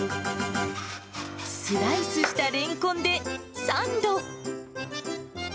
スライスしたレンコンでサンド。